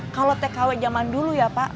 kalau tkw zaman dulu ya pak